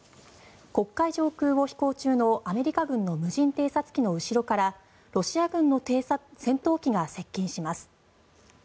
黒海上空を飛行中のアメリカ軍の無人偵察機の後ろからロシア軍の戦闘機が接近します。